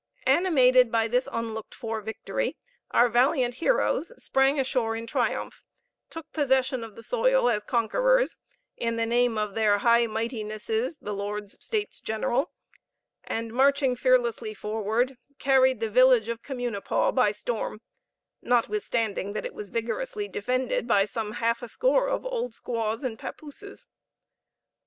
Animated by this unlooked for victory, our valiant heroes sprang ashore in triumph, took possession of the soil as conquerors, in the name of their High Mightinesses the Lords States General; and marching fearlessly forward, carried the village of Communipaw by storm, not withstanding that it was vigorously defended by some half a score of old squaws and pappooses.